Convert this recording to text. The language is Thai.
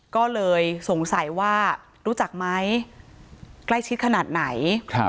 ก็เลยสงสัยว่ารู้จักไหมใกล้ชิดขนาดไหน